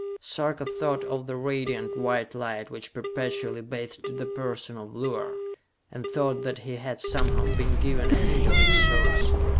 Sarka thought of the radiant white light which perpetually bathed the person of Luar, and thought that he had somehow been given a hint of its source.